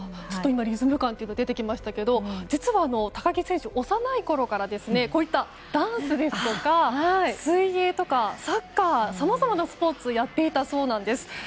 リズム感というの出てきましたけど実は高木選手、幼いころからこういったダンスですとか水泳とか、サッカーさまざまなスポーツやっていたそうなんです。